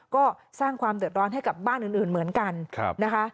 ก็สร้างความเดือดร้อนให้กับบ้านอื่นเหมือนกันนะคะ